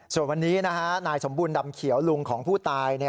ส่วนวันนี้นะฮะนายสมบูรณดำเขียวลุงของผู้ตาย